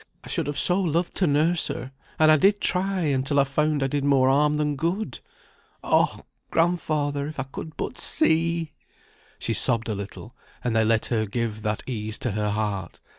I should have so loved to nurse her; and I did try, until I found I did more harm than good. Oh! grandfather; if I could but see!" She sobbed a little; and they let her give that ease to her heart.